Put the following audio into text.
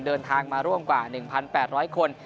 เดินทางมาร่วมกว่า๑๘๐๐คน